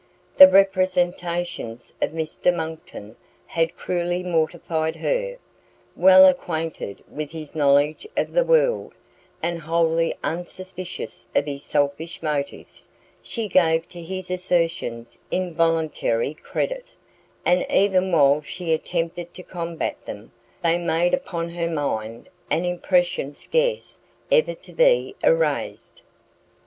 The representations of Mr Monckton had cruelly mortified her; well acquainted with his knowledge of the world, and wholly unsuspicious of his selfish motives, she gave to his assertions involuntary credit, and even while she attempted to combat them, they made upon her mind an impression scarce ever to be erased.